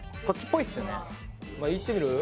いってみる？